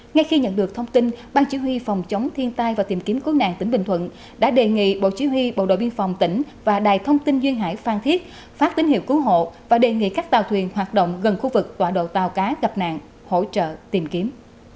ngay khi nhận được thông tin ban chỉ huy phòng chống thiên tai và tìm kiếm cứu nạn tỉnh bình thuận đã đề nghị bộ chỉ huy bộ đội biên phòng tỉnh và đài thông tin duyên hải phan thiết phát tín hiệu cứu hộ và đề nghị các tàu thuyền hoạt động gần khu vực tọa độ tàu cá gặp nạn hỗ trợ tìm kiếm